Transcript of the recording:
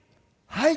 はい。